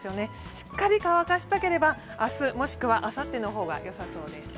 しっかり乾かしたければ明日もしくはあさっての方がよさそうです。